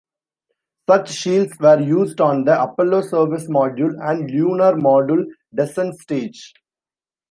Such shields were used on the Apollo Service Module and Lunar Module descent stage.